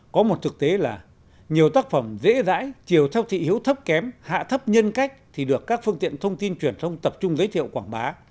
có một thực tế là nhiều tác phẩm dễ dãi chiều theo thị hiếu thấp kém hạ thấp nhân cách thì được các phương tiện thông tin truyền thông tập trung giới thiệu quảng bá